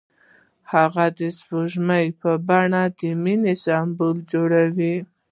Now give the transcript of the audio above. هغه د سپوږمۍ په بڼه د مینې سمبول جوړ کړ.